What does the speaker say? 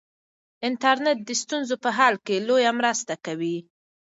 انټرنیټ د ستونزو په حل کې لویه مرسته کوي.